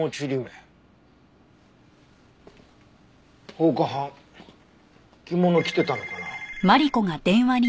放火犯着物着てたのかな？